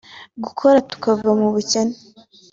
gukora tukava mu bukene